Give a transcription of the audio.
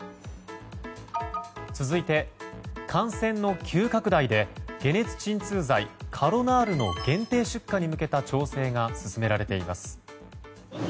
続いて、感染の急拡大で解熱鎮痛剤カロナールの限定出荷に向けた調整が進められています。